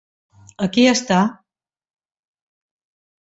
Aquí està.